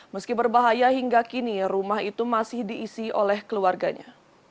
meski berbahaya hingga kini rumah itu masih diisi oleh keluarganya